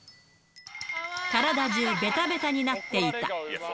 体中べたべたになっていた。